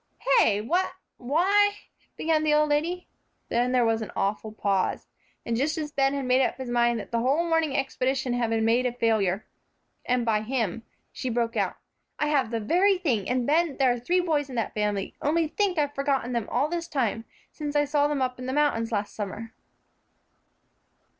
"Hey, what why " began the old lady. Then there was an awful pause. And just as Ben had made up his mind that the whole morning expedition had been made a failure, and by him, she broke out, "I have the very thing, and, Ben, there are three boys in that family. Only think, I've forgotten them all this time, since I saw them up in the mountains last summer."